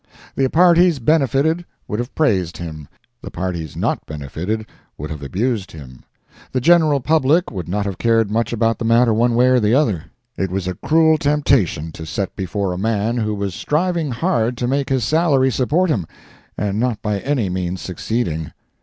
The parties benefited would have praised him, the parties not benefited would have abused him; the general public would not have cared much about the matter one way or the other. It was a cruel temptation to set before a man who was striving hard to make his salary support him and not by any means succeeding.